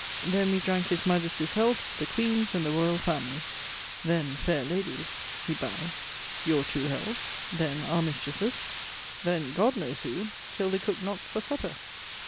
Then we dranke his Majestie's health, the Queen's, and the royall family: then, faire ladies, (he bowes) your two healths; then, our mistresses: then, God knows who till the cooke knockt for supper.